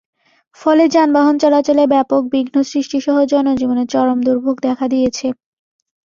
ফলে যানবাহন চলাচলে ব্যাপক বিঘ্ন সৃষ্টিসহ জনজীবনে চরম দুর্ভোগ দেখা দিয়েছে।